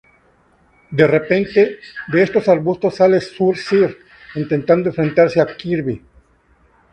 De repente, de esos arbustos sale Zur-Zir intentando enfrentarse a Kirby.